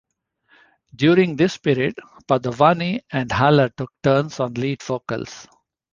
During this period, Padovani and Haller took turns on lead vocals.